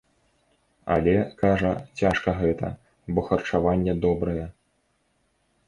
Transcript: Але, кажа, цяжка гэта, бо харчаванне добрае.